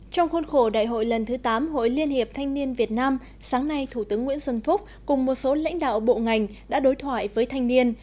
trong khuôn khổ đại hội lần thứ tám hội liên hiệp thanh niên việt nam sáng nay thủ tướng nguyễn xuân phúc cùng một số lãnh đạo bộ ngành đã đối thoại với thanh niên